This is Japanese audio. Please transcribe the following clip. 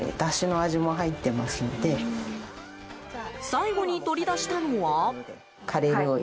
最後に取り出したのは。